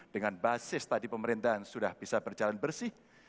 dengan basis tadi pemerintahan sudah bisa berjalan bersih